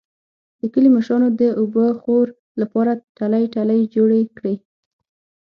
د کلي مشرانو د اوبهخور لپاره ټلۍ ټلۍ جوړې کړې.